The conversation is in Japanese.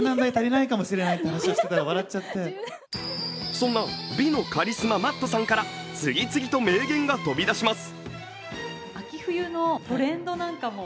そんな美のカリスマ・Ｍａｔｔさんから次々と名言が飛び出します。